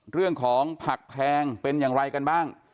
เรื่องของผักแพงเป็นอย่างไรกันบ้าง